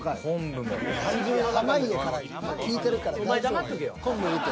濱家から聞いてるから大丈夫。